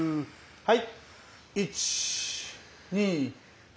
はい。